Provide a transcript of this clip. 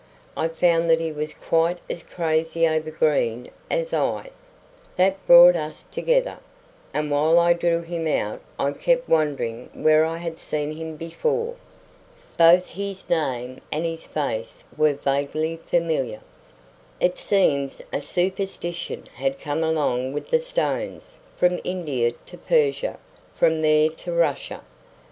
I found that he was quite as crazy over green as I. That brought us together; and while I drew him out I kept wondering where I had seen him before. Both his name and his face were vaguely familiar. It seems a superstition had come along with the stones, from India to Persia, from there to Russia.